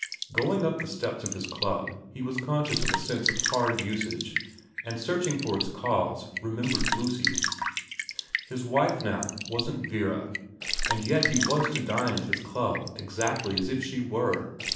Going 310 VERA up the steps of his club he was conscious of a sense of hard usage, and searching for its cause remembered Lucy. His wife now wasn't Vera, and yet he was to dine at his club exactly as if she were.